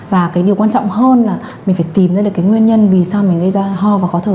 và điều quan trọng hơn là mình phải tìm ra nguyên nhân vì sao mình gây ra ho và khó thở